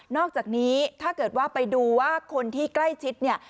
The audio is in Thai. อกจากนี้ถ้าเกิดว่าไปดูว่าคนที่ใกล้ชิดเนี่ย